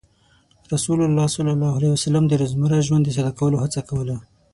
رسول الله صلى الله عليه وسلم د روزمره ژوند د ساده کولو هڅه کوله.